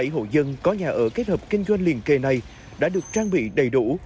bảy hộ dân có nhà ở kết hợp kinh doanh liên kề này đã được trang bị đầy đủ